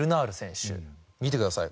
見てください。